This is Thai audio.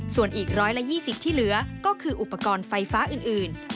ส่วนอีก๑๒๐ที่เหลือก็คืออุปกรณ์ไฟฟ้าอื่น